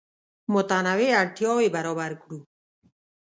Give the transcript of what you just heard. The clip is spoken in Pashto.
متنوع اړتیاوې برابر کړو.